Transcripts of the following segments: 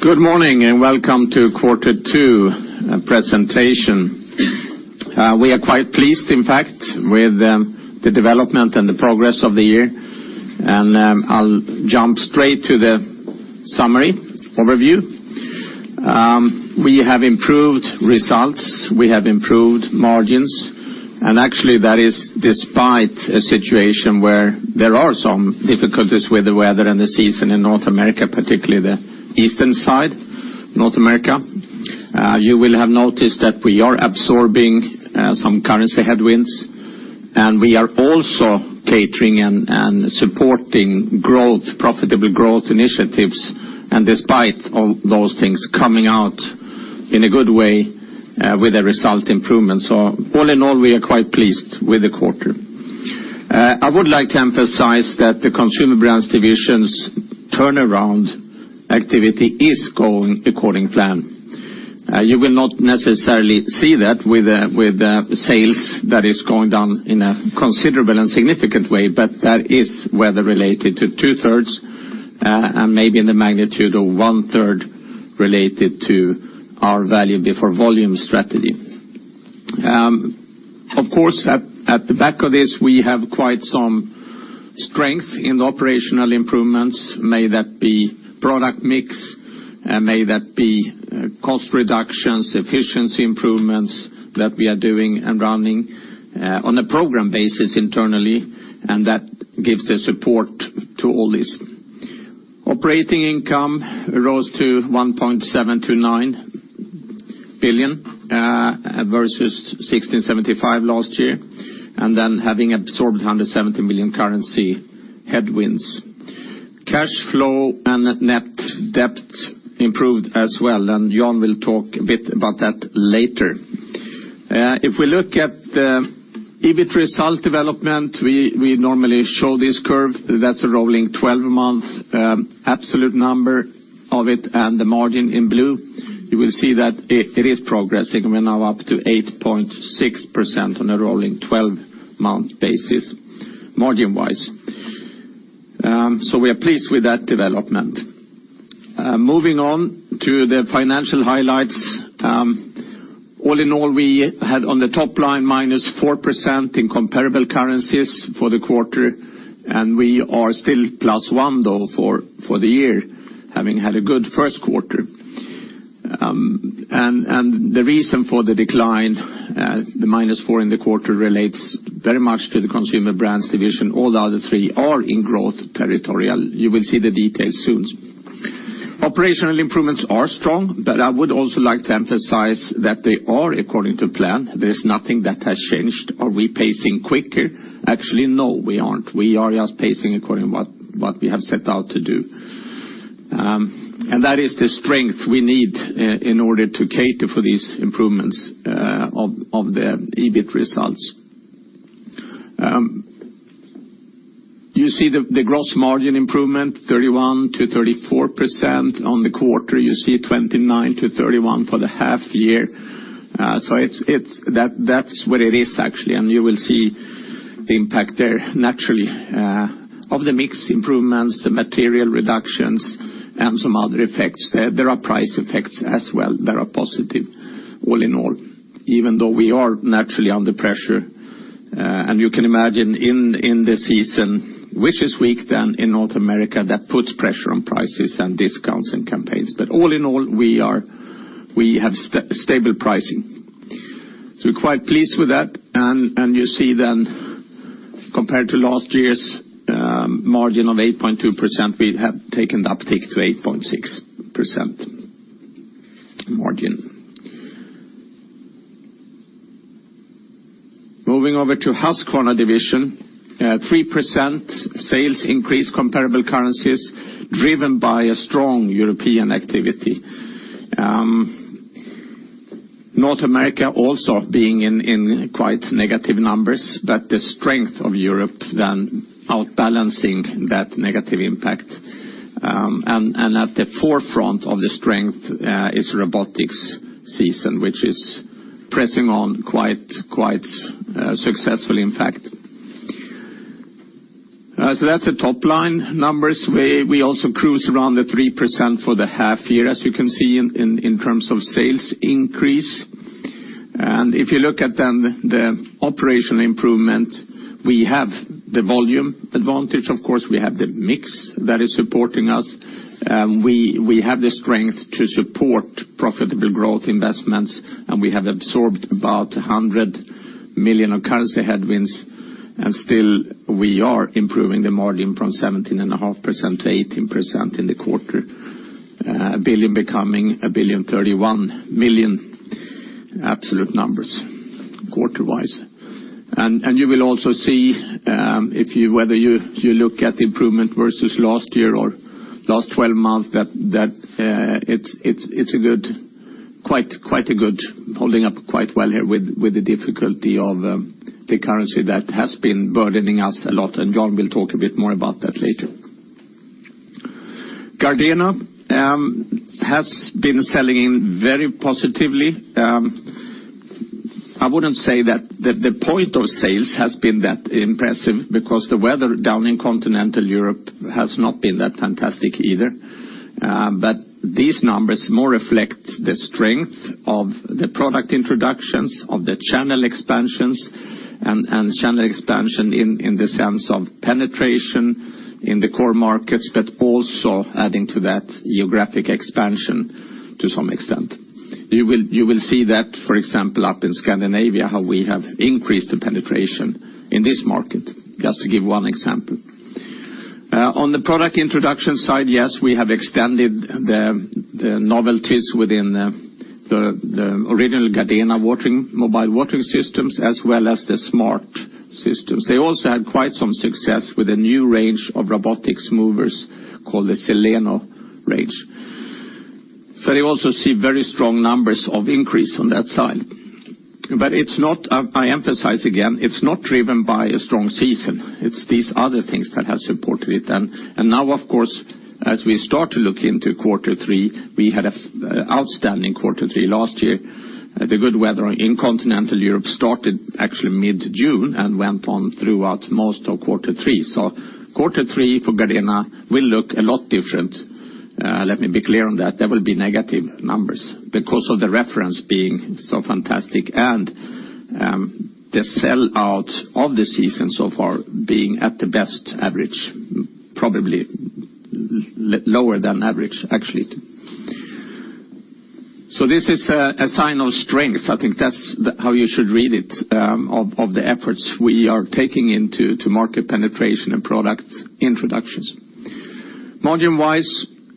Good morning, welcome to quarter 2 presentation. We are quite pleased, in fact, with the development and the progress of the year. I'll jump straight to the summary overview. We have improved results, we have improved margins, actually that is despite a situation where there are some difficulties with the weather and the season in North America, particularly the eastern side, North America. You will have noticed that we are absorbing some currency headwinds, we are also catering and supporting profitable growth initiatives. Despite all those things coming out in a good way with a result improvement. All in all, we are quite pleased with the quarter. I would like to emphasize that the Consumer Brands Division's turnaround activity is going according plan. You will not necessarily see that with the sales that is going down in a considerable and significant way, that is weather-related to two-thirds, maybe in the magnitude of one-third related to our value before volume strategy. Of course, at the back of this, we have quite some strength in the operational improvements, may that be product mix, may that be cost reductions, efficiency improvements that we are doing and running on a program basis internally, that gives the support to all this. Operating income rose to 1.729 billion, versus 1.675 billion last year, having absorbed 170 million currency headwinds. Cash flow and net debt improved as well, Jan will talk a bit about that later. If we look at the EBIT result development, we normally show this curve, that's a rolling 12 month, absolute number of it, the margin in blue. You will see that it is progressing. We're now up to 8.6% on a rolling 12-month basis, margin-wise. We are pleased with that development. Moving on to the financial highlights. All in all, we had on the top line -4% in comparable currencies for the quarter, we are still +1 though for the year, having had a good first quarter. The reason for the decline, the -4 in the quarter relates very much to the Consumer Brands Division. All the other three are in growth territorial. You will see the details soon. Operational improvements are strong, I would also like to emphasize that they are according to plan. There's nothing that has changed. Are we pacing quicker? Actually, no, we aren't. We are just pacing according to what we have set out to do. That is the strength we need in order to cater for these improvements of the EBIT results. You see the gross margin improvement, 31%-34% on the quarter. You see 29%-31% for the half year. That's what it is actually, you will see the impact there naturally of the mix improvements, the material reductions, and some other effects. There are price effects as well that are positive all in all, even though we are naturally under pressure. You can imagine in the season, which is weak then in North America, that puts pressure on prices and discounts and campaigns. All in all, we have stable pricing. We're quite pleased with that, you see then compared to last year's margin of 8.2%, we have taken the uptick to 8.6% margin. Moving over to Husqvarna Division, 3% sales increase comparable currencies driven by a strong European activity. North America also being in quite negative numbers, but the strength of Europe then out balancing that negative impact. At the forefront of the strength is robotics season, which is pressing on quite successfully, in fact. That's the top line numbers. We also cruise around the 3% for the half year, as you can see in terms of sales increase. If you look at then the operational improvement, we have the volume advantage, of course. We have the mix that is supporting us. We have the strength to support profitable growth investments, and we have absorbed about 100 million of currency headwinds, and still we are improving the margin from 17.5% to 18% in the quarter. 1 billion becoming 1.031 billion absolute numbers quarter wise. You will also see, whether you look at improvement versus last year or last 12 months, that it's holding up quite well here with the difficulty of the currency that has been burdening us a lot, and Jon will talk a bit more about that later. Gardena has been selling in very positively I wouldn't say that the point of sales has been that impressive because the weather down in continental Europe has not been that fantastic either. These numbers more reflect the strength of the product introductions, of the channel expansions, and channel expansion in the sense of penetration in the core markets, but also adding to that geographic expansion to some extent. You will see that, for example, up in Scandinavia, how we have increased the penetration in this market, just to give one example. On the product introduction side, yes, we have extended the novelties within the original Gardena mobile watering systems as well as the smart systems. They also had quite some success with a new range of robotic mowers called the SILENO range. They also see very strong numbers of increase on that side. I emphasize again, it's not driven by a strong season. It's these other things that have supported it. Now, of course, as we start to look into quarter three, we had an outstanding quarter three last year. The good weather in continental Europe started actually mid-June and went on throughout most of quarter three. Quarter three for Gardena will look a lot different. Let me be clear on that. There will be negative numbers because of the reference being so fantastic and the sell-out of the season so far being at the best average, probably lower than average, actually. This is a sign of strength. I think that's how you should read it, of the efforts we are taking into to market penetration and product introductions. Margin-wise,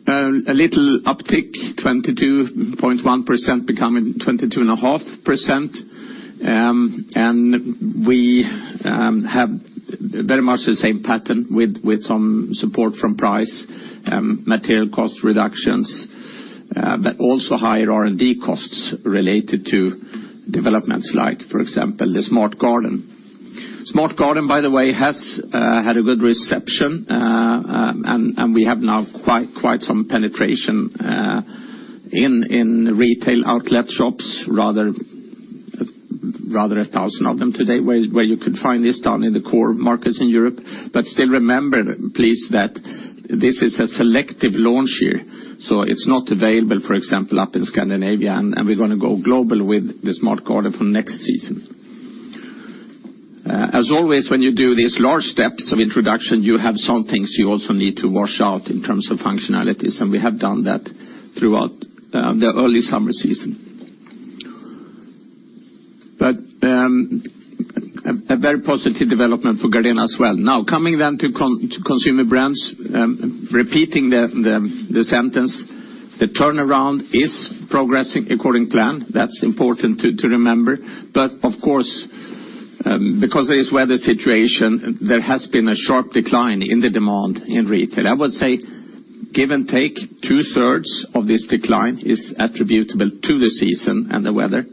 a little uptick, 22.1% becoming 22.5%. We have very much the same pattern with some support from price, material cost reductions, but also higher R&D costs related to developments like, for example, the Smart Garden. Smart Garden, by the way, has had a good reception, and we have now quite some penetration in retail outlet shops, rather 1,000 of them today, where you could find this down in the core markets in Europe. Still remember, please, that this is a selective launch here, so it's not available, for example, up in Scandinavia, and we're going to go global with the Smart Garden from next season. As always, when you do these large steps of introduction, you have some things you also need to wash out in terms of functionalities, and we have done that throughout the early summer season. A very positive development for Gardena as well. Coming to Consumer Brands, repeating the sentence, the turnaround is progressing according plan. That's important to remember. Of course, because of this weather situation, there has been a sharp decline in the demand in retail. I would say, give and take, two-thirds of this decline is attributable to the season and the weather.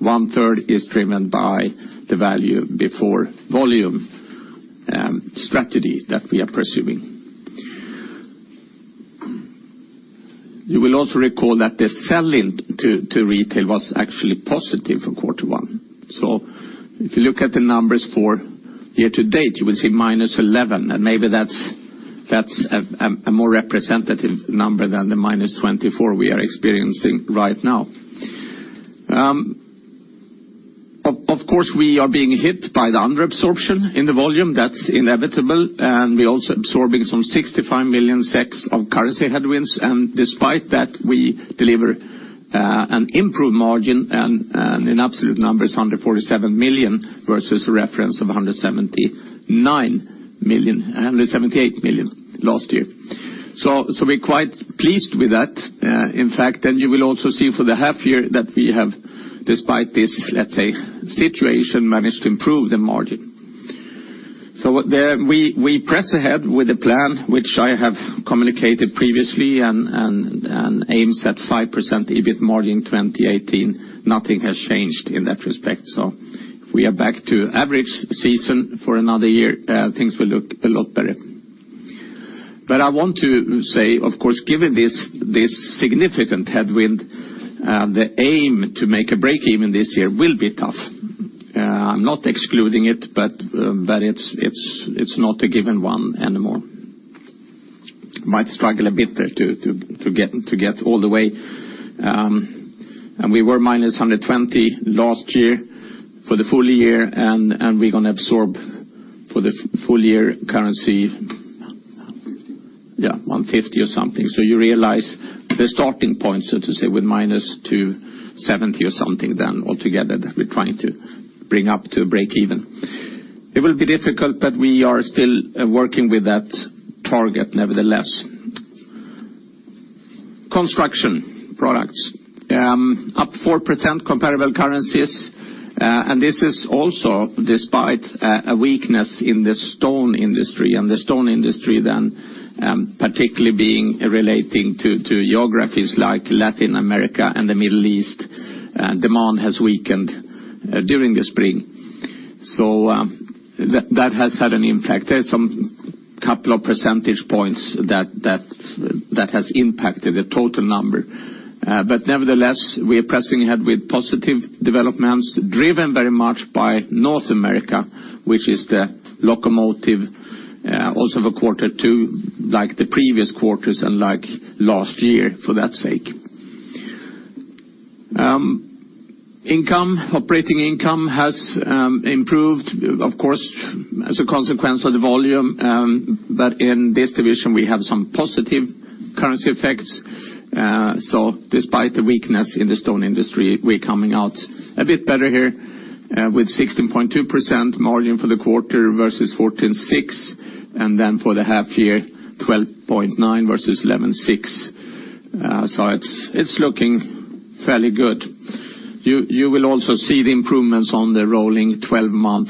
One-third is driven by the value before volume strategy that we are pursuing. You will also recall that the sell-in to retail was actually positive for quarter one. If you look at the numbers for year to date, you will see -11%, and maybe that's a more representative number than the -24% we are experiencing right now. Of course, we are being hit by the under-absorption in the volume. That's inevitable, and we're also absorbing some 65 million of currency headwinds. Despite that, we deliver an improved margin and an absolute number is 147 million versus a reference of 178 million last year. We're quite pleased with that. In fact, and you will also see for the half year that we have, despite this, let's say, situation, managed to improve the margin. We press ahead with the plan, which I have communicated previously and aims at 5% EBIT margin 2018. Nothing has changed in that respect. If we are back to average season for another year, things will look a lot better. I want to say, of course, given this significant headwind, the aim to make a break even this year will be tough. I'm not excluding it, but it's not a given one anymore. Might struggle a bit to get all the way. We were -120 million last year for the full year, and we're going to absorb for the full year. 150. SEK 150 million or something. You realize the starting point, so to say, with -270 million or something then altogether that we're trying to bring up to break even. It will be difficult, we are still working with that target nevertheless. Construction Products, up 4% comparable currencies. This is also despite a weakness in the Stone Industry, and the Stone Industry then particularly relating to geographies like Latin America and the Middle East. Demand has weakened during the spring. That has had an impact. There's some couple of percentage points that has impacted the total number. Nevertheless, we are pressing ahead with positive developments driven very much by North America, which is the locomotive also for quarter two, like the previous quarters and like last year, for that sake. Operating income has improved, of course, as a consequence of the volume. In this division, we have some positive currency effects. Despite the weakness in the stone industry, we're coming out a bit better here with 16.2% margin for the quarter versus 14.6%, and then for the half year, 12.9% versus 11.6%. It's looking fairly good. You will also see the improvements on the rolling 12-month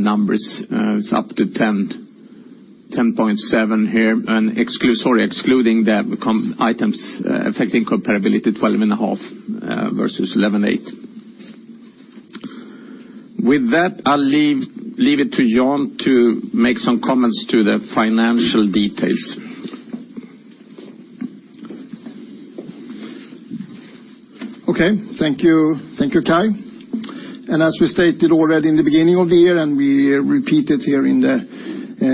numbers. It's up to 10.7% here, and excluding the items affecting comparability, 12.5% versus 11.8%. With that, I'll leave it to Jan to make some comments to the financial details. Thank you, Kai. As we stated already in the beginning of the year, and we repeated here in the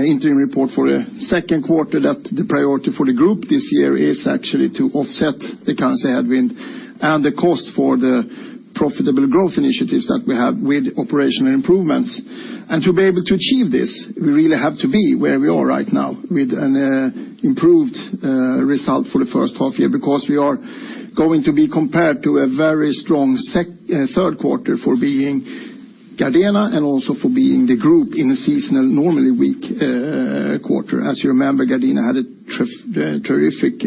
interim report for the second quarter, the priority for the group this year is actually to offset the currency headwind and the cost for the profitable growth initiatives that we have with operational improvements. To be able to achieve this, we really have to be where we are right now with an improved result for the first half year, because we are going to be compared to a very strong third quarter for being Gardena and also for being the group in a seasonal, normally weak quarter. As you remember, Gardena had a terrific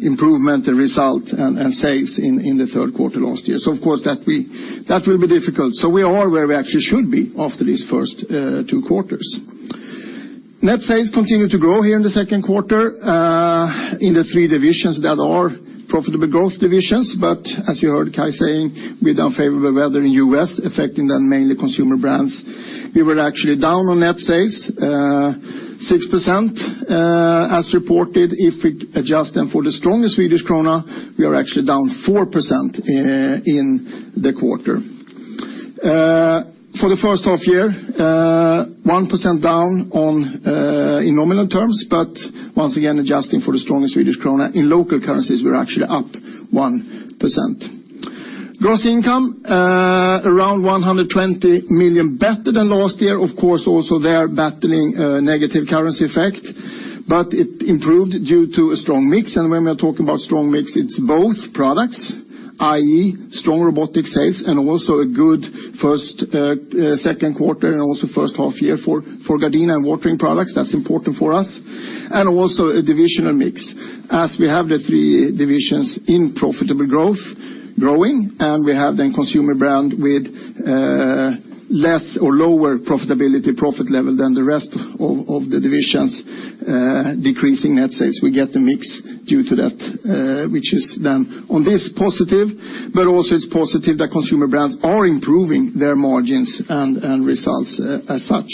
improvement, result, and sales in the third quarter last year. Of course, that will be difficult. We are where we actually should be after these first two quarters. Net sales continued to grow here in the second quarter in the three divisions that are profitable growth divisions. As you heard Kai saying, with unfavorable weather in U.S. affecting the mainly Consumer Brands, we were actually down on net sales 6% as reported. If we adjust them for the strongest Swedish krona, we are actually down 4% in the quarter. For the first half year, 1% down in nominal terms, but once again, adjusting for the strongest Swedish krona, in local currencies, we're actually up 1%. Gross income, around 120 million better than last year. Of course, also there battling a negative currency effect. It improved due to a strong mix. When we're talking about strong mix, it's both products, i.e., strong robotic sales and also a good second quarter and also first half year for Gardena and Watering Products. That's important for us. Also a divisional mix, as we have the three divisions in profitable growth growing, and we have then Consumer Brands with less or lower profitability, profit level than the rest of the divisions decreasing net sales. We get the mix due to that, which is then on this positive, but also it's positive that Consumer Brands are improving their margins and results as such.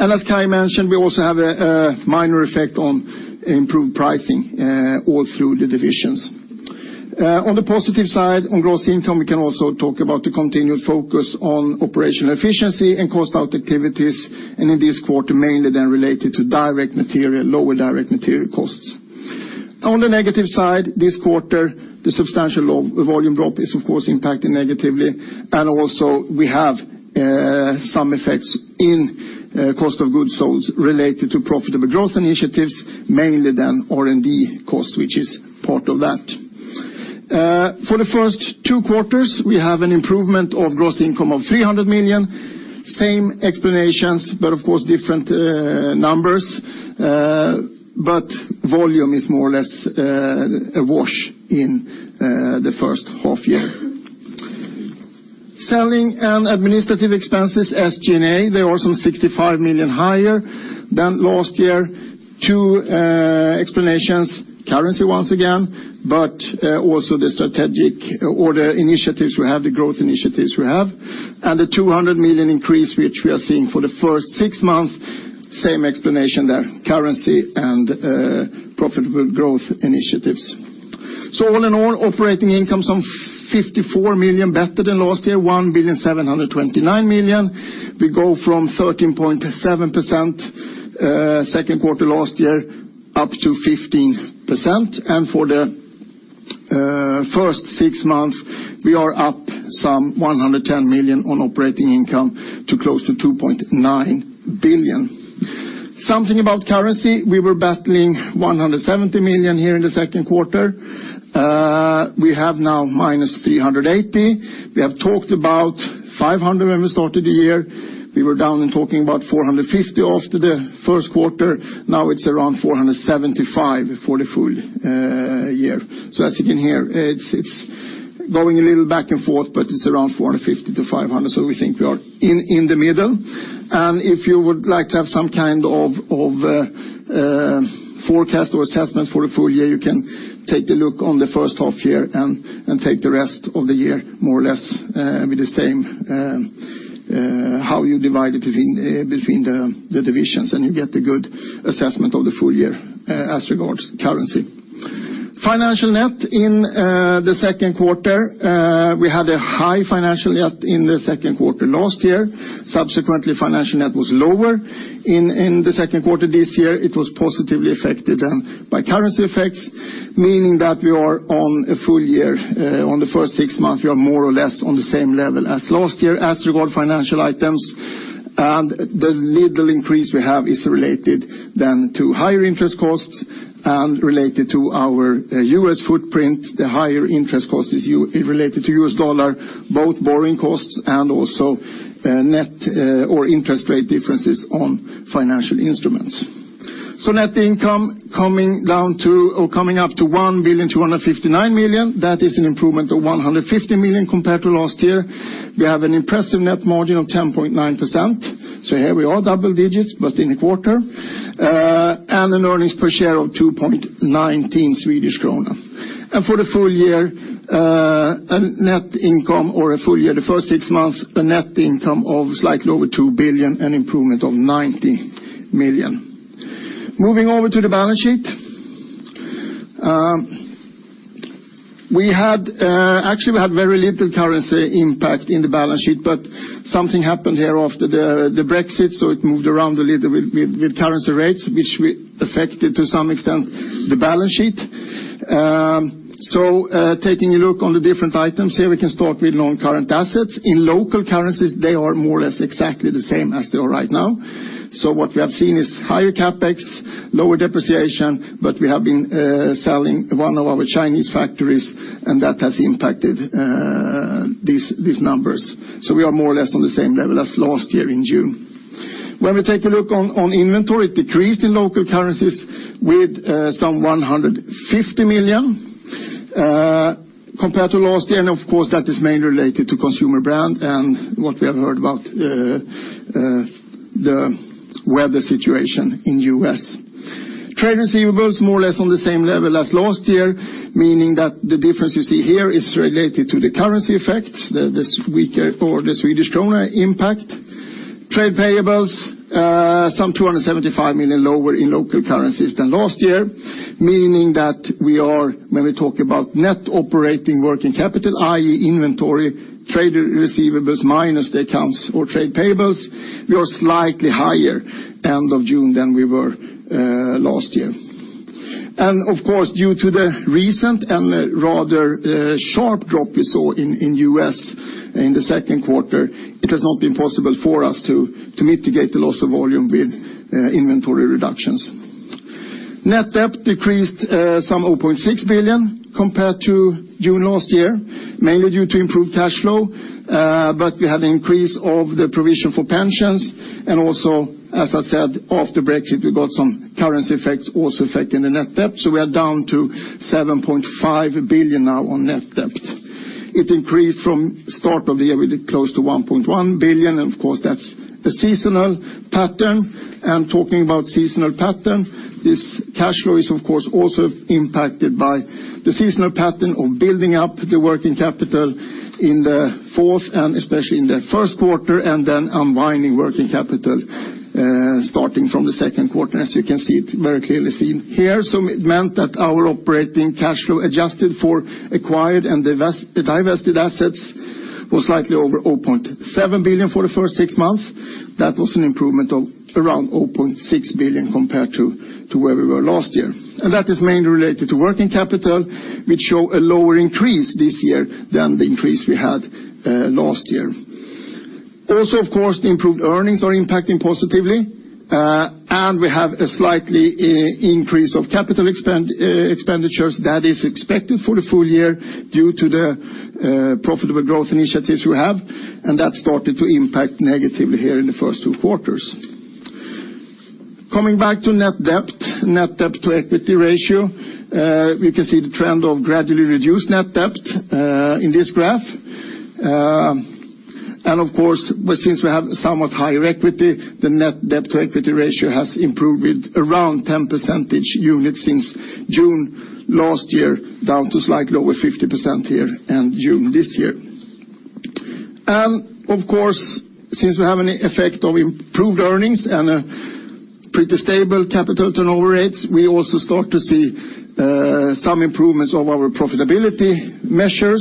As Kai mentioned, we also have a minor effect on improved pricing all through the divisions. On the positive side, on gross income, we can also talk about the continued focus on operational efficiency and cost out activities, in this quarter, mainly then related to lower direct material costs. On the negative side, this quarter, the substantial volume drop is, of course, impacting negatively. Also we have some effects in cost of goods sold related to profitable growth initiatives, mainly then R&D cost, which is part of that. For the first two quarters, we have an improvement of gross income of 300 million. Same explanations, but of course, different numbers. Volume is more or less a wash in the first half year. Selling and administrative expenses, SG&A, they are also 65 million higher than last year. Two explanations, currency once again, also the strategic order initiatives we have, the growth initiatives we have. The 200 million increase, which we are seeing for the first six months, same explanation there, currency and profitable growth initiatives. All in all, operating income some 54 million better than last year, 1.729 billion. We go from 13.7% second quarter last year up to 15%. For the first six months, we are up some 110 million on operating income to close to 2.9 billion. Something about currency. We were battling 170 million here in the second quarter. We have now minus 380 million. We have talked about 500 million when we started the year. We were down and talking about 450 million after the first quarter. Now it is around 475 million for the full year. As you can hear, it is going a little back and forth, but it is around 450 million to 500 million. We think we are in the middle. If you would like to have some kind of forecast or assessment for the full year, you can take a look on the first half year and take the rest of the year more or less with the same How you divide it between the divisions, and you get a good assessment of the full year as regards currency. Financial net in the second quarter, we had a high financial net in the second quarter last year. Subsequently, financial net was lower in the second quarter this year. It was positively affected by currency effects, meaning that we are on a full year. On the first six months, we are more or less on the same level as last year as regard financial items. The little increase we have is related then to higher interest costs and related to our U.S. footprint, the higher interest cost is related to U.S. dollar, both borrowing costs and also net or interest rate differences on financial instruments. Net income coming up to 1.259 billion. That is an improvement of 150 million compared to last year. We have an impressive net margin of 10.9%. Here we are double digits, but in a quarter. An earnings per share of 2.19 Swedish krona. For the full year, a net income, or a full year, the first six months, a net income of slightly over 2 billion, an improvement of 90 million. Moving over to the balance sheet. We had very little currency impact in the balance sheet, but something happened here after the Brexit, it moved around a little with currency rates, which affected, to some extent, the balance sheet. Taking a look on the different items, here we can start with non-current assets. In local currencies, they are more or less exactly the same as they are right now. What we have seen is higher CapEx, lower depreciation, but we have been selling one of our Chinese factories, and that has impacted these numbers. We are more or less on the same level as last year in June. When we take a look on inventory, it decreased in local currencies with some 150 million compared to last year. Of course, that is mainly related to Consumer Brands and what we have heard about the weather situation in the U.S. Trade receivables, more or less on the same level as last year, meaning that the difference you see here is related to the currency effects, the weaker for the Swedish krona impact. Trade payables, some 275 million lower in local currencies than last year, meaning that we are, when we talk about net operating working capital, i.e. inventory, trade receivables minus the accounts or trade payables, we are slightly higher end of June than we were last year. Of course, due to the recent and rather sharp drop we saw in the U.S. in the second quarter, it has not been possible for us to mitigate the loss of volume with inventory reductions. Net debt decreased some 0.6 billion compared to June last year, mainly due to improved cash flow, but we had an increase of the provision for pensions, and also, as I said, after Brexit, we got some currency effects also affecting the net debt, we are down to 7.5 billion now on net debt. It increased from start of the year with close to 1.1 billion, of course that's a seasonal pattern. Talking about seasonal pattern, this cash flow is of course also impacted by the seasonal pattern of building up the working capital in the fourth and especially in the first quarter, then unwinding working capital, starting from the second quarter, as you can see it very clearly seen here. It meant that our operating cash flow, adjusted for acquired and divested assets, was slightly over 0.7 billion for the first six months. That was an improvement of around 0.6 billion compared to where we were last year. That is mainly related to working capital, which show a lower increase this year than the increase we had last year. Also, of course, the improved earnings are impacting positively, and we have a slightly increase of capital expenditures. That is expected for the full year due to the profitable growth initiatives we have, and that started to impact negatively here in the first two quarters. Coming back to net debt to equity ratio, we can see the trend of gradually reduced net debt, in this graph. Of course, since we have somewhat higher equity, the net debt to equity ratio has improved with around 10 percentage units since June last year, down to slightly over 50% here in June this year. Of course, since we have an effect of improved earnings and pretty stable capital turnover rates, we also start to see some improvements of our profitability measures.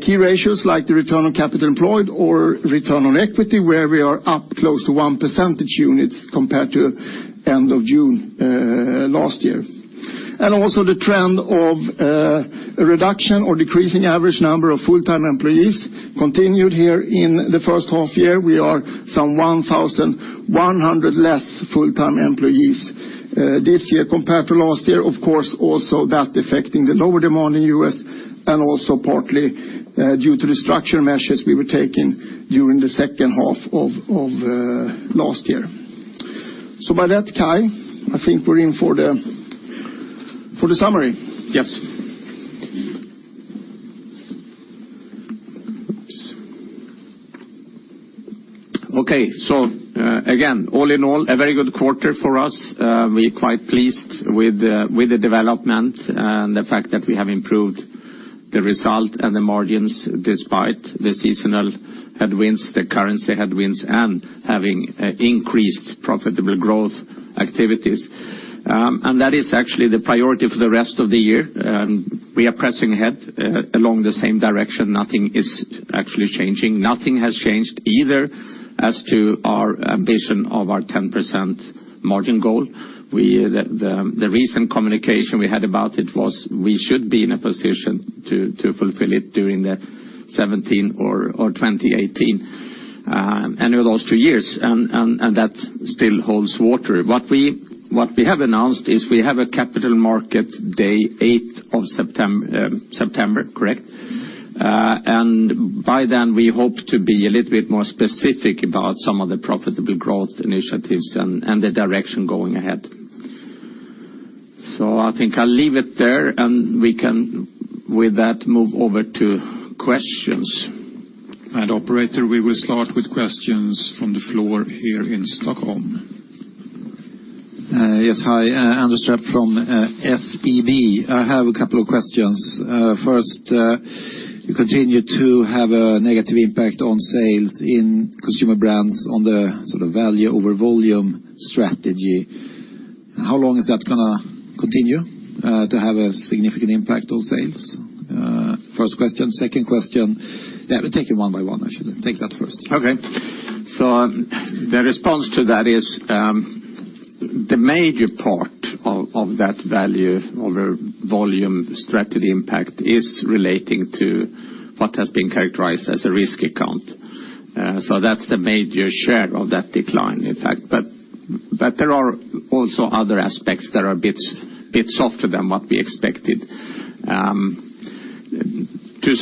Key ratios like the return on capital employed or return on equity, where we are up close to one percentage units compared to end of June last year. The trend of a reduction or decreasing average number of full-time employees continued here in the first half year. We are 1,100 less full-time employees this year compared to last year. Also that affecting the lower demand in U.S. and also partly due to the structural measures we were taking during the second half of last year. By that, Kai, I think we're in for the summary. Yes. Oops. Again, all in all, a very good quarter for us. We are quite pleased with the development and the fact that we have improved the result and the margins despite the seasonal headwinds, the currency headwinds, and having increased profitable growth activities. That is actually the priority for the rest of the year. We are pressing ahead along the same direction. Nothing is actually changing. Nothing has changed either as to our ambition of our 10% margin goal. The recent communication we had about it was we should be in a position to fulfill it during 2017 or 2018, and over those two years, and that still holds water. What we have announced is we have a Capital Markets Day, 8th of September, correct? By then we hope to be a little bit more specific about some of the profitable growth initiatives and the direction going ahead. I think I'll leave it there and we can with that, move over to questions. Operator, we will start with questions from the floor here in Stockholm. Yes. Hi, Anders Ström from SEB. I have a couple of questions. First, you continue to have a negative impact on sales in Consumer Brands on the value over volume strategy. How long is that going to continue to have a significant impact on sales? First question. Let me take it one by one, actually. Take that first. Okay. The response to that is the major part of that value over volume strategy impact is relating to what has been characterized as a risk account. That's the major share of that decline, in fact. There are also other aspects that are a bit softer than what we expected. To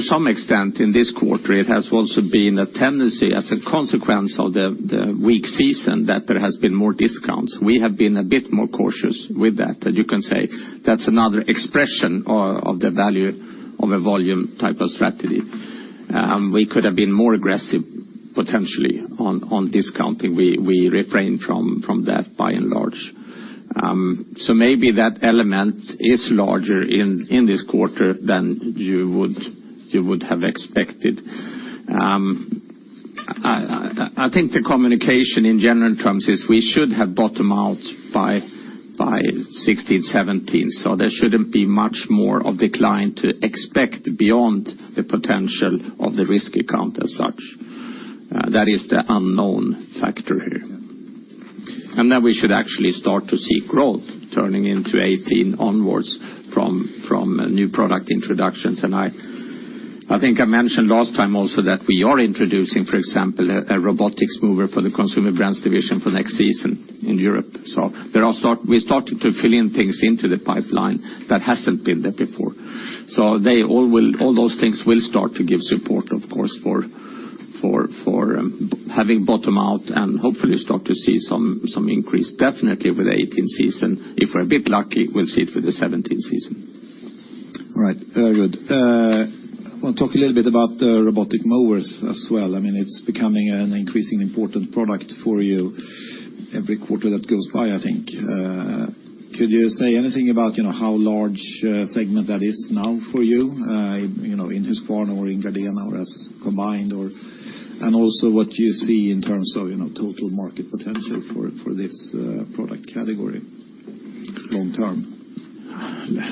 some extent in this quarter, it has also been a tendency as a consequence of the weak season that there has been more discounts. We have been a bit more cautious with that, and you can say that's another expression of the value over volume type of strategy. We could have been more aggressive potentially on discounting. We refrained from that by and large. Maybe that element is larger in this quarter than you would have expected. I think the communication in general terms is we should have bottomed out by 2016, 2017. There shouldn't be much more of decline to expect beyond the potential of the risk account as such. That is the unknown factor here. Then we should actually start to see growth turning into 2018 onwards from new product introductions. I think I mentioned last time also that we are introducing, for example, a robotic mower for the Consumer Brands Division for next season in Europe. We're starting to fill in things into the pipeline that hasn't been there before. All those things will start to give support, of course, for having bottomed out and hopefully start to see some increase definitely with the 2018 season. If we're a bit lucky, we'll see it for the 2017 season. All right. Very good. I want to talk a little bit about the robotic mowers as well. It's becoming an increasingly important product for you every quarter that goes by, I think. Could you say anything about how large a segment that is now for you in Husqvarna or in Gardena, or as combined? Also what you see in terms of total market potential for this product category long term?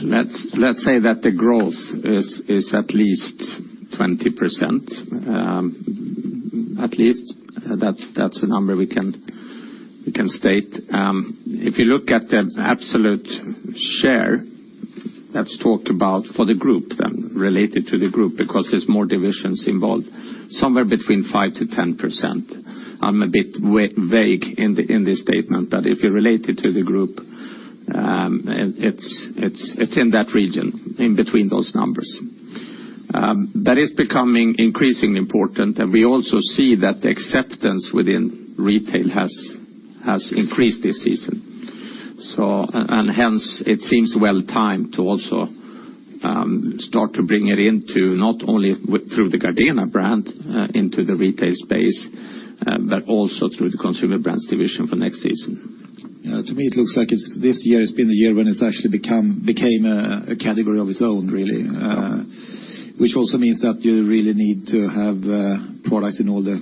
Let's say that the growth is at least 20%. At least that's a number we can state. If you look at the absolute share that's talked about for the group, then related to the group, because there's more divisions involved, somewhere between 5%-10%. I'm a bit vague in this statement, but if you relate it to the group, it's in that region in between those numbers. That is becoming increasingly important, and we also see that the acceptance within retail has increased this season. Hence it seems well timed to also start to bring it into not only through the Gardena brand into the retail space, but also through the Consumer Brands Division for next season. To me, it looks like this year has been the year when it's actually became a category of its own, really, which also means that you really need to have products in all the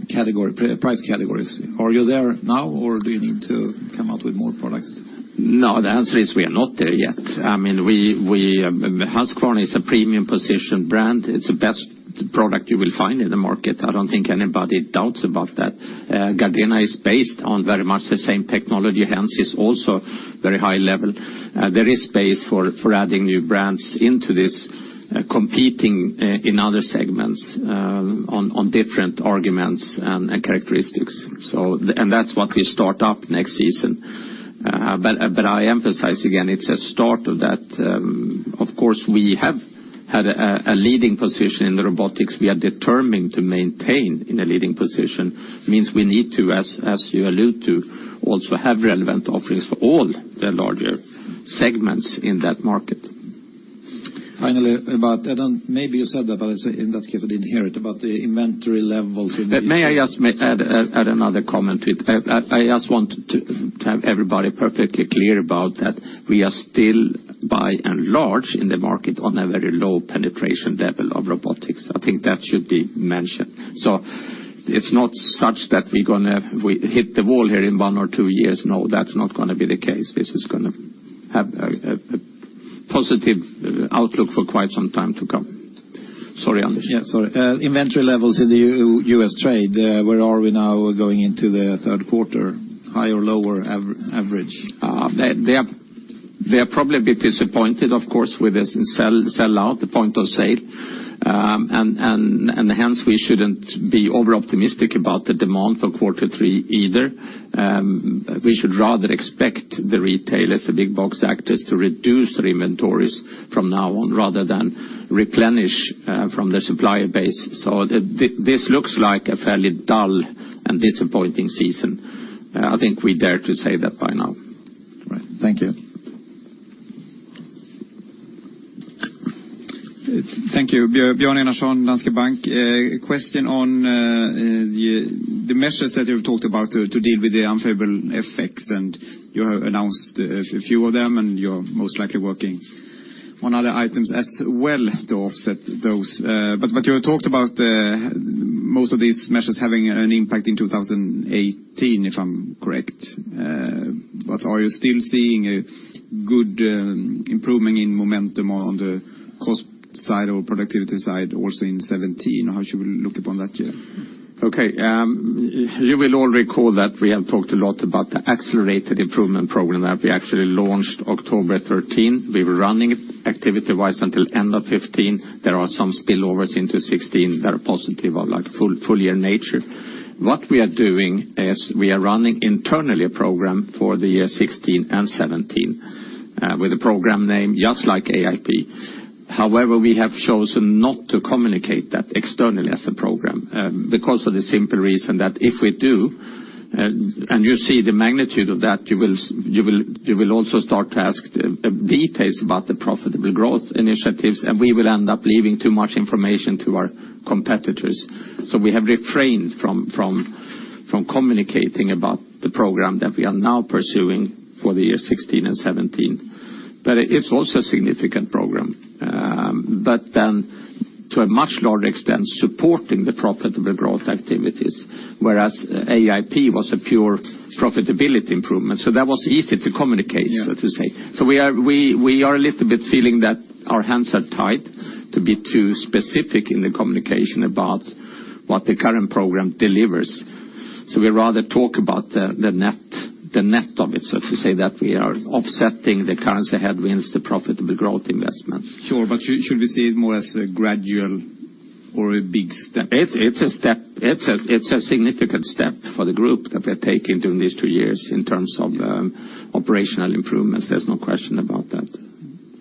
price categories. Are you there now or do you need to come out with more products? No, the answer is we are not there yet. Husqvarna is a premium position brand. It's the best product you will find in the market. I don't think anybody doubts about that. Gardena is based on very much the same technology, hence is also very high level. There is space for adding new brands into this, competing in other segments on different arguments and characteristics. That's what we start up next season. I emphasize again, it's a start of that. Of course, we have had a leading position in the robotics. We are determined to maintain in a leading position, means we need to, as you allude to, also have relevant offerings for all the larger segments in that market. Finally, I don't know, maybe you said that, but in that case, I didn't hear it, about the inventory levels. May I just add another comment. I just want to have everybody perfectly clear about that we are still, by and large, in the market on a very low penetration level of robotics. I think that should be mentioned. It's not such that we're going to hit the wall here in one or two years. No, that's not going to be the case. This is going to have a positive outlook for quite some time to come. Sorry, Anders. Yeah, sorry. Inventory levels in the U.S. trade, where are we now going into the third quarter? Higher or lower average? They are probably a bit disappointed, of course, with the sell out, the point of sale. Hence, we shouldn't be over-optimistic about the demand for quarter three either. We should rather expect the retailers, the big box actors, to reduce their inventories from now on rather than replenish from their supplier base. This looks like a fairly dull and disappointing season. I think we dare to say that by now. Right. Thank you. Thank you. Björn Enarson, Danske Bank. A question on the measures that you've talked about to deal with the unfavorable effects, and you have announced a few of them, and you're most likely working on other items as well to offset those. You have talked about most of these measures having an impact in 2018, if I'm correct. Are you still seeing a good improvement in momentum on the cost side or productivity side also in 2017? How should we look upon that year? Okay. You will all recall that we have talked a lot about the Accelerated Improvement Program that we actually launched October 13. We were running it activity-wise until end of 2015. There are some spillovers into 2016 that are positive or full-year natured. What we are doing is we are running internally a program for the year 2016 and 2017 with a program name just like AIP. We have chosen not to communicate that externally as a program because of the simple reason that if we do, and you see the magnitude of that, you will also start to ask details about the profitable growth initiatives, and we will end up leaving too much information to our competitors. We have refrained from communicating about the program that we are now pursuing for the year 2016 and 2017. It's also a significant program. To a much larger extent, supporting the profitable growth activities, whereas AIP was a pure profitability improvement. That was easy to communicate, so to say. Yeah. We are a little bit feeling that our hands are tied to be too specific in the communication about what the current program delivers. We'd rather talk about the net of it, so to say that we are offsetting the currency headwinds, the profitable growth investment. Should we see it more as a gradual or a big step? It's a step. It's a significant step for the group that we're taking during these two years in terms of- Yeah operational improvements. There's no question about that.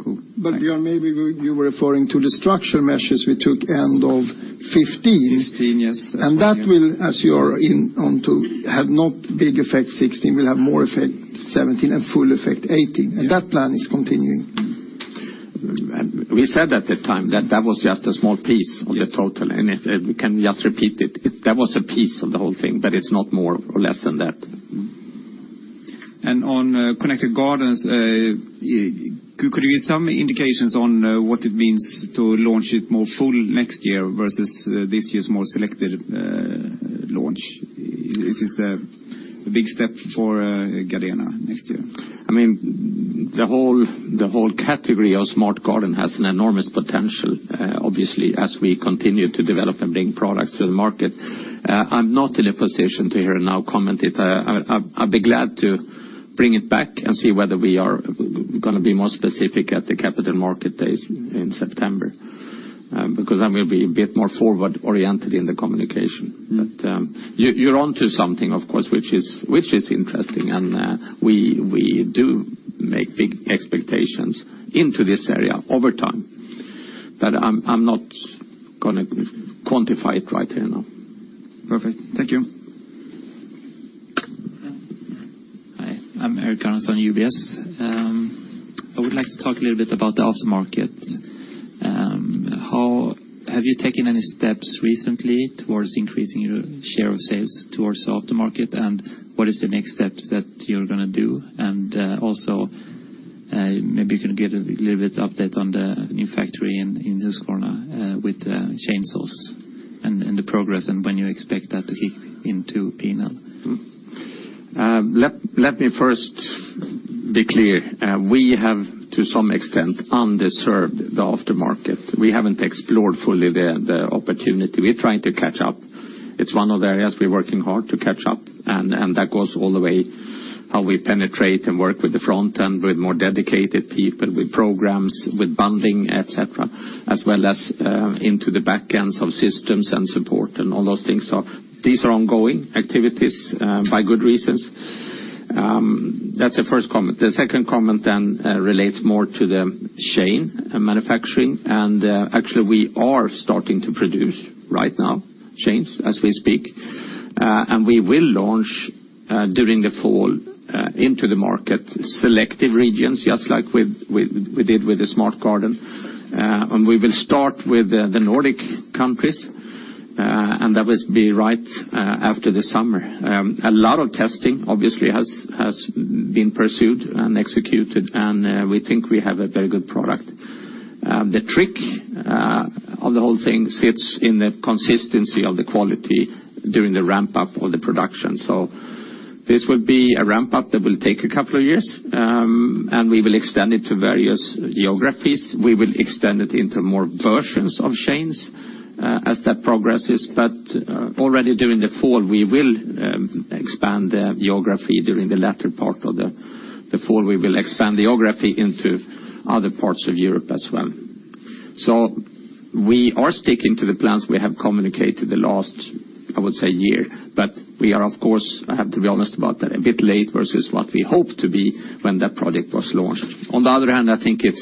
Cool. Thank you. Björn, maybe you were referring to the structure measures we took end of 2015. 2015, yes. That will, as you're in on to, have no big effect 2016, will have more effect 2017, and full effect 2018. Yeah. That plan is continuing. We said at the time that that was just a small piece of the total. Yes. We can just repeat it. That was a piece of the whole thing, but it's not more or less than that. On Husqvarna Connect, could you give some indications on what it means to launch it more full next year versus this year's more selected launch? Is this the big step for Gardena next year? The whole category of smart garden has an enormous potential, obviously, as we continue to develop and bring products to the market. I'm not in a position to here now comment it. I'd be glad to bring it back and see whether we are going to be more specific at the Capital Market Days in September, because I will be a bit more forward-oriented in the communication. You're onto something, of course, which is interesting, and we do make big expectations into this area over time. I'm not going to quantify it right here now. Perfect. Thank you. Hi, I'm Erik Aronsson, UBS. I would like to talk a little bit about the aftermarket. Have you taken any steps recently towards increasing your share of sales towards aftermarket? What is the next steps that you're going to do? Maybe you can give a little bit update on the new factory in Husqvarna with chainsaws and the progress and when you expect that to kick into P&L. Let me first be clear. We have, to some extent, underserved the aftermarket. We haven't explored fully the opportunity. We're trying to catch up. It's one of the areas we're working hard to catch up, and that goes all the way, how we penetrate and work with the front end, with more dedicated people, with programs, with bonding, et cetera, as well as into the back ends of systems and support and all those things. These are ongoing activities by good reasons. That's the first comment. The second comment then relates more to the chain manufacturing, actually, we are starting to produce right now, chains, as we speak. We will launch during the fall into the market. Selective regions, just like we did with the Gardena Smart System. We will start with the Nordic countries, and that will be right after the summer. A lot of testing obviously has been pursued and executed, and we think we have a very good product. The trick of the whole thing sits in the consistency of the quality during the ramp-up of the production. This will be a ramp-up that will take a couple of years, and we will extend it to various geographies. We will extend it into more versions of chains as that progresses. Already during the fall, we will expand the geography. During the latter part of the fall, we will expand geography into other parts of Europe as well. We are sticking to the plans we have communicated the last, I would say, year. We are, of course, I have to be honest about that, a bit late versus what we hoped to be when that project was launched. On the other hand, I think it's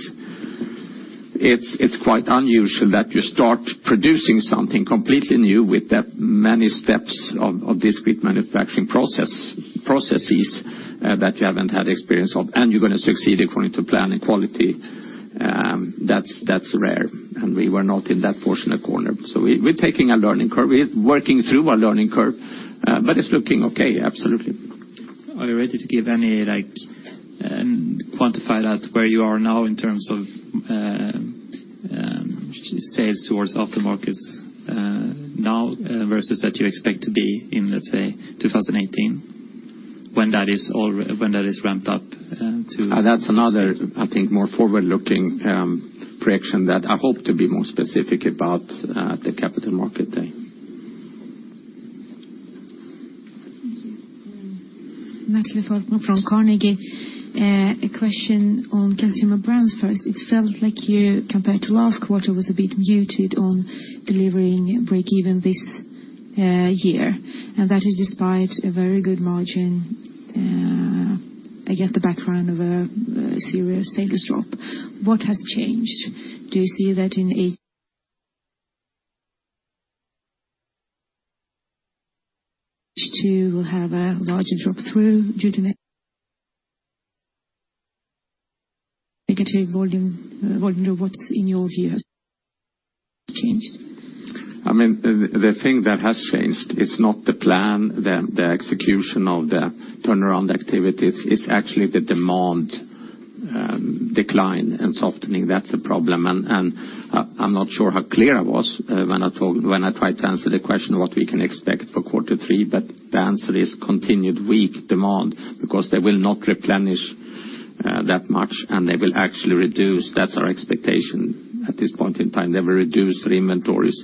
quite unusual that you start producing something completely new with that many steps of discrete manufacturing processes that you haven't had experience of, and you're going to succeed according to plan and quality. That's rare, and we were not in that fortunate corner. We're taking a learning curve. We're working through a learning curve. It's looking okay, absolutely. Are you ready to quantify that, where you are now in terms of sales towards aftermarkets now, versus that you expect to be in, let's say, 2018, when that is ramped up to- That's another, I think, more forward-looking prediction that I hope to be more specific about at the Capital Markets Day. Thank you. Natalie Falkman from Carnegie. A question on Consumer Brands first. It felt like you, compared to last quarter, was a bit muted on delivering breakeven this year, and that is despite a very good margin, again the background of a serious sales drop. What has changed? Do you see that in H2 you will have a larger drop through due to negative volume? What in your view has changed? The thing that has changed, it's not the plan, the execution of the turnaround activities. It's actually the demand decline and softening. That's a problem. I'm not sure how clear I was when I tried to answer the question of what we can expect for quarter three, but the answer is continued weak demand because they will not replenish that much, and they will actually reduce. That's our expectation at this point in time. They will reduce their inventories,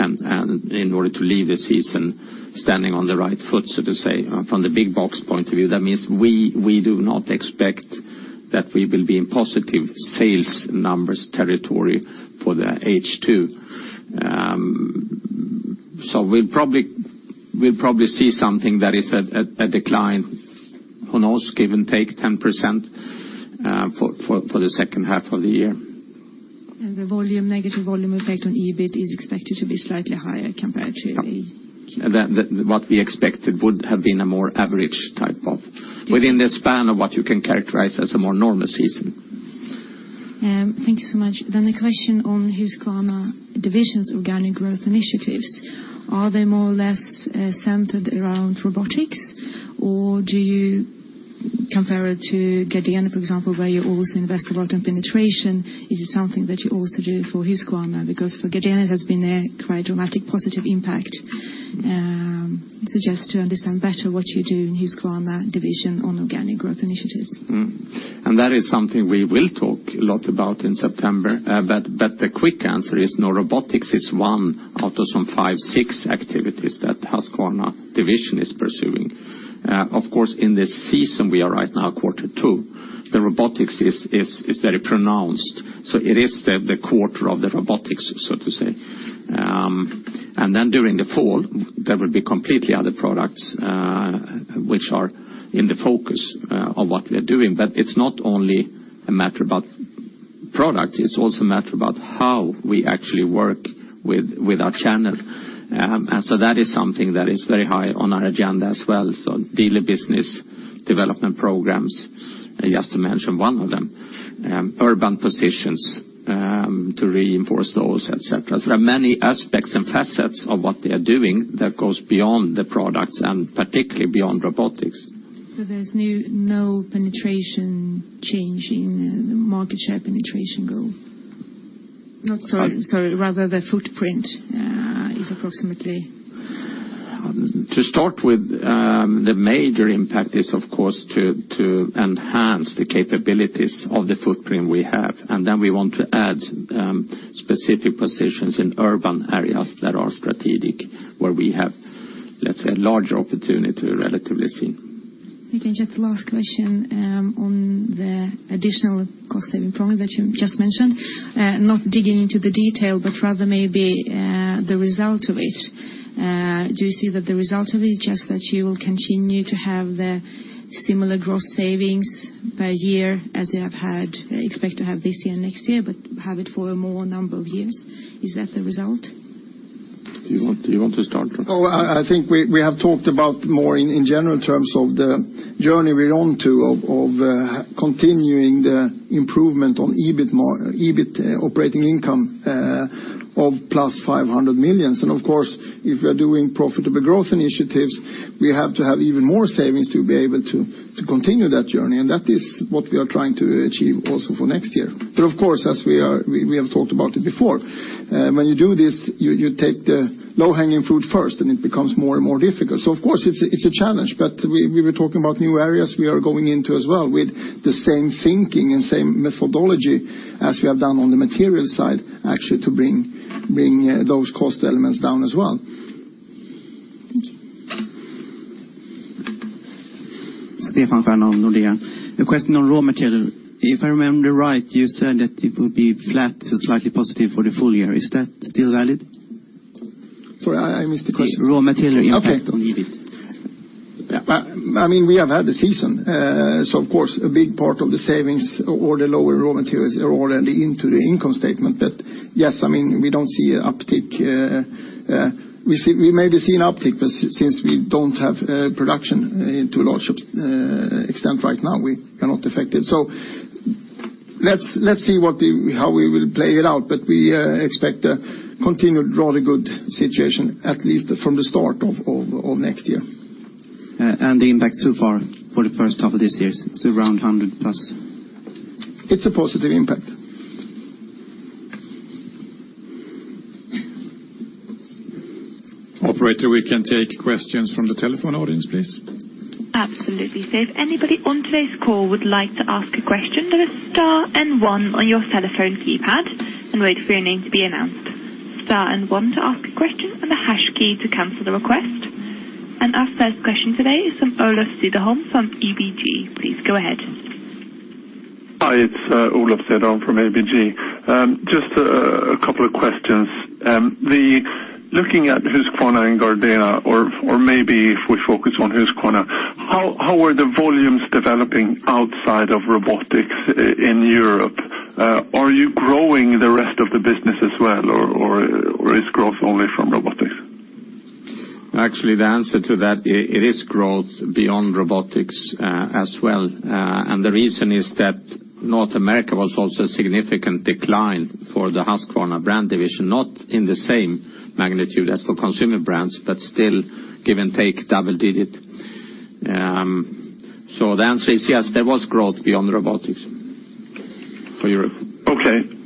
in order to leave the season standing on the right foot, so to say. From the big box point of view, that means we do not expect that we will be in positive sales numbers territory for the H2. We'll probably see something that is a decline, who knows, give and take 10% for the second half of the year. The negative volume effect on EBIT is expected to be slightly higher compared to Q- What we expected would have been a more average. Within the span of what you can characterize as a more normal season. Thank you so much. A question on Husqvarna Division's organic growth initiatives. Are they more or less centered around robotics? Or do you compare it to Gardena, for example, where you also invest a lot in penetration? Is it something that you also do for Husqvarna? Because for Gardena, it has been a quite dramatic positive impact. Just to understand better what you do in Husqvarna Division on organic growth initiatives. That is something we will talk a lot about in September. The quick answer is no. Robotics is one out of some five, six activities that Husqvarna Division is pursuing. Of course, in this season we are right now, quarter two, the robotics is very pronounced. It is the quarter of the robotics, so to say. During the fall, there will be completely other products, which are in the focus of what we are doing. It's not only a matter about product, it's also a matter about how we actually work with our channel. That is something that is very high on our agenda as well. Dealer business development programs, just to mention one of them. Urban positions, to reinforce those, et cetera. There are many aspects and facets of what they are doing that goes beyond the products and particularly beyond robotics. there's no penetration change in the market share penetration goal? Sorry, rather the footprint is approximately To start with, the major impact is, of course, to enhance the capabilities of the footprint we have. Then we want to add specific positions in urban areas that are strategic, where we have, let's say, a larger opportunity relatively seen. Okay, just last question on the additional cost-saving program that you just mentioned. Not digging into the detail, but rather maybe the result of it. Do you see that the result of it is just that you will continue to have the similar gross savings per year as you expect to have this year and next year, but have it for a more number of years? Is that the result? Do you want to start? No, I think we have talked about more in general terms of the journey we're on to of continuing the improvement on EBIT operating income of plus 500 million. Of course, if we are doing profitable growth initiatives, we have to have even more savings to be able to continue that journey, and that is what we are trying to achieve also for next year. Of course, as we have talked about it before, when you do this, you take the low-hanging fruit first and it becomes more and more difficult. Of course, it's a challenge, but we were talking about new areas we are going into as well with the same thinking and same methodology as we have done on the material side, actually to bring those cost elements down as well. Thank you. Stefan Stjernholm, Nordea. A question on raw material. If I remember right, you said that it will be flat to slightly positive for the full year. Is that still valid? Sorry, I missed the question. Raw material impact- Okay on EBIT. Yeah. We have had the season. Of course, a big part of the savings or the lower raw materials are already into the income statement. Yes, we don't see an uptick. We maybe see an uptick, but since we don't have production to a large extent right now, we cannot affect it. Let's see how we will play it out, but we expect a continued, really good situation, at least from the start of next year. The impact so far for the first half of this year is around 100+? It's a positive impact. Operator, we can take questions from the telephone audience, please. Absolutely. If anybody on today's call would like to ask a question, there is star and one on your telephone keypad, and wait for your name to be announced. Star and one to ask a question, the hash key to cancel the request. Our first question today is from Olof Cederholm from ABG. Please go ahead. Hi, it's Olof Cederholm from ABG. Just a couple of questions. Looking at Husqvarna and Gardena, or maybe if we focus on Husqvarna, how are the volumes developing outside of robotics in Europe? Are you growing the rest of the business as well, or is growth only from robotics? Actually, the answer to that, it is growth beyond robotics as well. The reason is that North America was also a significant decline for the Husqvarna Division. Not in the same magnitude as for Consumer Brands Division, but still, give and take, double-digit. The answer is yes, there was growth beyond robotics for Europe. Okay.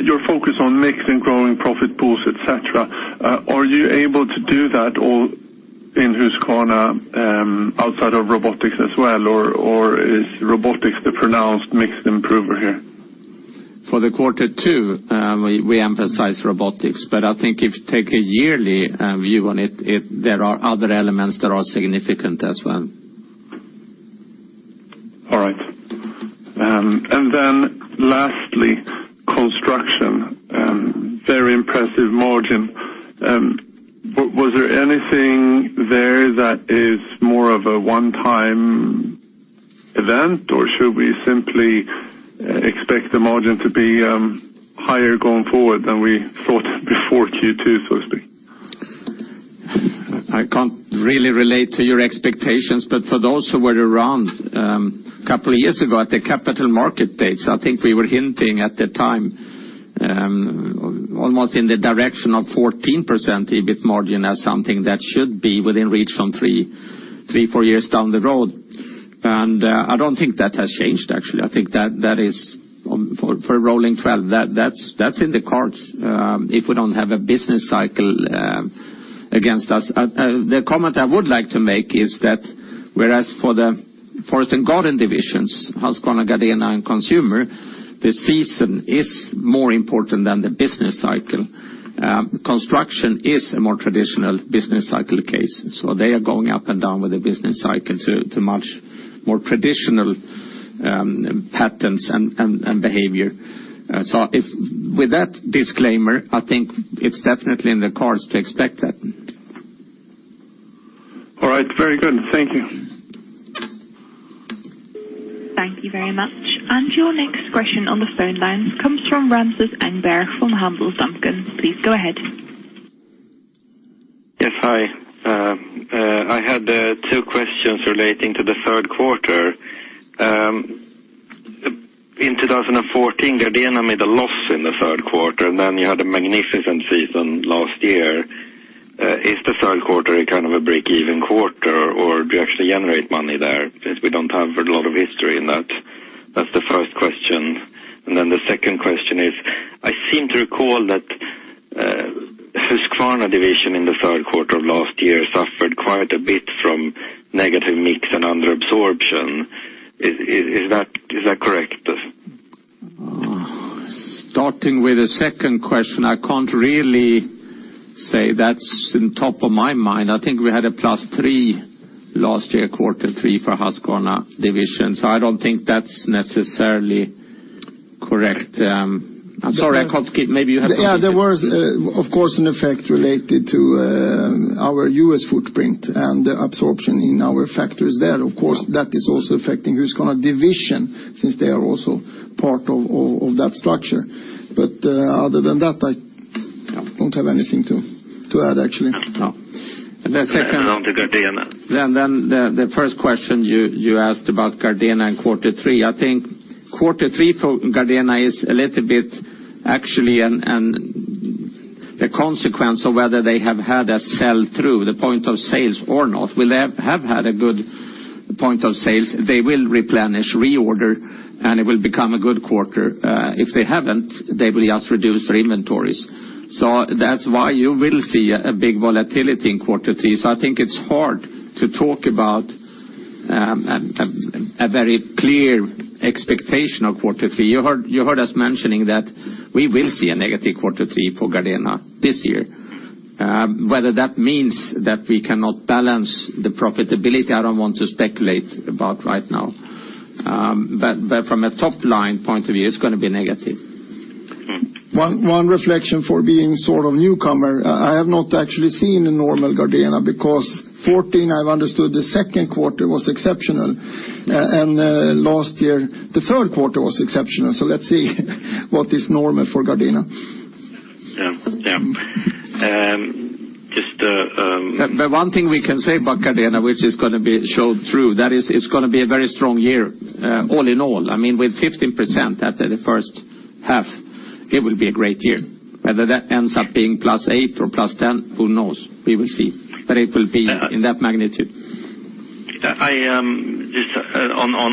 Your focus on mix and growing profit pools, et cetera, are you able to do that all in Husqvarna outside of robotics as well, or is robotics the pronounced mix improver here? For the quarter two, we emphasize robotics. I think if you take a yearly view on it, there are other elements that are significant as well. All right. Lastly, Construction Division. Very impressive margin. Was there anything there that is more of a one-time event, or should we simply expect the margin to be higher going forward than we thought before Q2, so to speak? I can't really relate to your expectations, but for those who were around couple of years ago at the Capital Markets Day, I think we were hinting at the time almost in the direction of 14% EBIT margin as something that should be within reach from three, four years down the road. I don't think that has changed, actually. I think that for rolling 12, that's in the cards if we don't have a business cycle against us. The comment I would like to make is that whereas for the Forest and Garden divisions, Husqvarna, Gardena, and Consumer, the season is more important than the business cycle. Construction is a more traditional business cycle case. They are going up and down with the business cycle to much more traditional patterns and behavior. With that disclaimer, I think it's definitely in the cards to expect that. All right. Very good. Thank you. Thank you very much. Your next question on the phone lines comes from Ramsin Engholm from Handelsbanken. Please go ahead. Yes, hi. I had two questions relating to the third quarter. In 2014, Gardena made a loss in the third quarter. You had a magnificent season last year. Is the third quarter a kind of a break-even quarter, or do you actually generate money there, since we don't have a lot of history in that? That's the first question. The second question is, I seem to recall that Husqvarna Division in the third quarter of last year suffered quite a bit from negative mix and under absorption. Is that correct? Starting with the second question, I can't really say that's in top of my mind. I think we had a plus three last year, quarter three for Husqvarna Division, so I don't think that's necessarily correct. I'm sorry, I can't. Maybe you have something to Yeah, there was, of course, an effect related to our U.S. footprint and the absorption in our factories there. Of course, that is also affecting Husqvarna Division since they are also part of that structure. Other than that, I don't have anything to add, actually. No. The second On to Gardena. The first question you asked about Gardena in quarter three, I think quarter three for Gardena is a little bit actually the consequence of whether they have had a sell-through the point of sales or not. Will they have had a good point of sales? They will replenish, reorder, and it will become a good quarter. If they haven't, they will just reduce their inventories. That's why you will see a big volatility in quarter three. I think it's hard to talk about a very clear expectation of quarter three. You heard us mentioning that we will see a negative quarter three for Gardena this year. Whether that means that we cannot balance the profitability, I don't want to speculate about right now. From a top-line point of view, it's going to be negative. One reflection for being sort of newcomer, I have not actually seen a normal Gardena because 2014, I've understood the second quarter was exceptional, and last year the third quarter was exceptional. Let's see what is normal for Gardena. Yeah. One thing we can say about Gardena, which is going to be showed through, that is it's going to be a very strong year all in all. With 15% after the first half, it will be a great year. Whether that ends up being +8 or +10, who knows? We will see. It will be in that magnitude. Just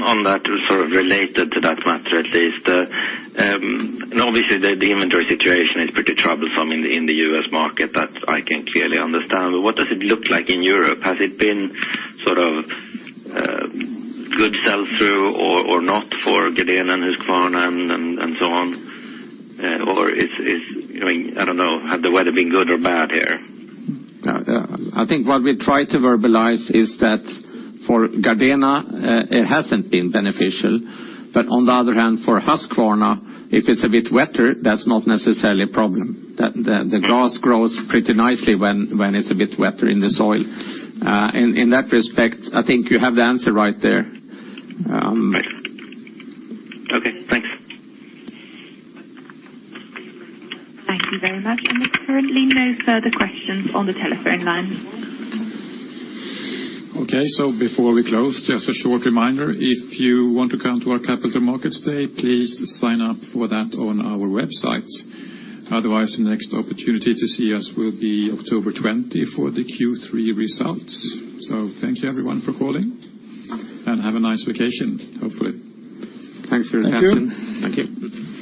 on that, sort of related to that matter at least, obviously the inventory situation is pretty troublesome in the U.S. market. That I can clearly understand. What does it look like in Europe? Has it been sort of good sell-through or not for Gardena and Husqvarna and so on? I don't know, had the weather been good or bad here? I think what we try to verbalize is that for Gardena, it hasn't been beneficial, but on the other hand, for Husqvarna, if it's a bit wetter, that's not necessarily a problem. The grass grows pretty nicely when it's a bit wetter in the soil. In that respect, I think you have the answer right there. Okay, thanks. Thank you very much. There's currently no further questions on the telephone lines. Okay, before we close, just a short reminder, if you want to come to our Capital Markets Day, please sign up for that on our website. Otherwise, the next opportunity to see us will be October 20 for the Q3 results. Thank you everyone for calling, and have a nice vacation, hopefully. Thanks for attending. Thank you. Thank you.